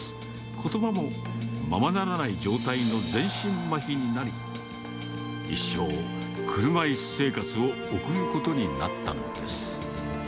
ことばもままならない状態の全身まひになり、一生、車イス生活を送ることになったのです。